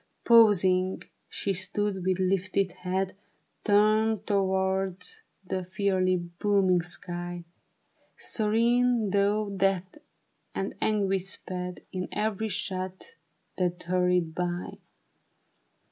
Pausing, she stood with lifted head Turned towards that fiery, booming sky. Serene, though death and anguish sped In every shot that hurried by.